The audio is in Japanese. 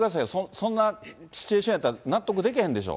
そんなシチュエーションやったら、納得でけへんでしょ？